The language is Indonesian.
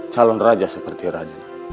calon raja seperti raden